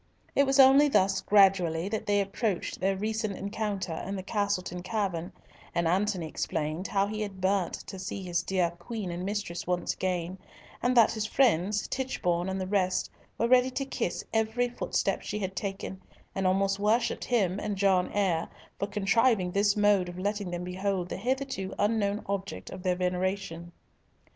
It was only thus gradually that they approached their recent encounter in the Castleton Cavern, and Antony explained how he had burnt to see his dear Queen and mistress once again, and that his friends, Tichborne and the rest, were ready to kiss every footstep she had taken, and almost worshipped him and John Eyre for contriving this mode of letting them behold the hitherto unknown object of their veneration.